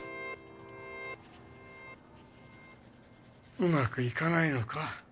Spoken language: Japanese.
うまくいかないのか？